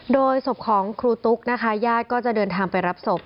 โดยศพของครูตุ๊กนะคะญาติก็จะเดินทางไปรับศพ